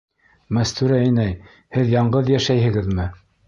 Мәстүрә инәй, һеҙ яңғыҙ йәшәйһегеҙме?